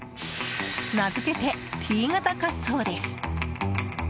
名付けて、Ｔ型滑走です。